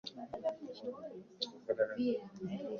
Wapo baina ndege wachache ambao hula nta ya wadudu-gamba.